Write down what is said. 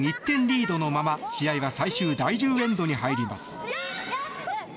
１点リードのまま試合は最終第１０エンドに入ります。